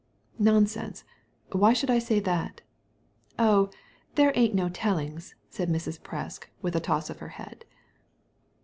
''" Nonsense ! Why should I say that ?"« Oh, there ain't no tellings," said Mrs. Presk, with a toss of her head.